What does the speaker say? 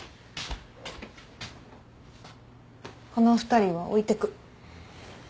この２人は置いてく。